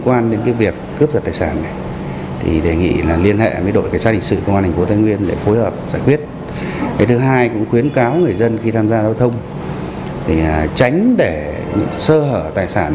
anh cũng khuyến cáo người dân khi tham gia giao thông tránh để sơ hở tài sản